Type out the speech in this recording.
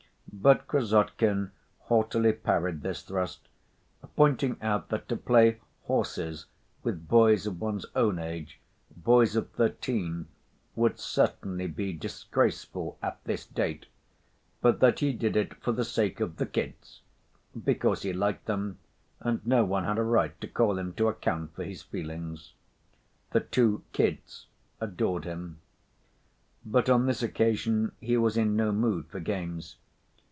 But Krassotkin haughtily parried this thrust, pointing out that to play horses with boys of one's own age, boys of thirteen, would certainly be disgraceful "at this date," but that he did it for the sake of "the kids" because he liked them, and no one had a right to call him to account for his feelings. The two "kids" adored him. But on this occasion he was in no mood for games.